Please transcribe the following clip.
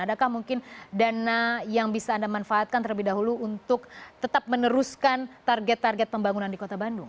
adakah mungkin dana yang bisa anda manfaatkan terlebih dahulu untuk tetap meneruskan target target pembangunan di kota bandung